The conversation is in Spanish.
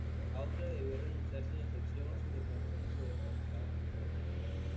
Austria debió renunciar sin excepción a sus reclamaciones sobre estos Estados alemanes.